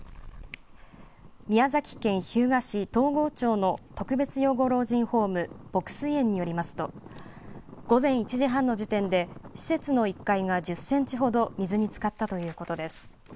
宮崎県日向市東郷町の特別養護老人ホーム牧水園によりますと午前１時半の時点で施設の１階が１０センチほど水につかったということです。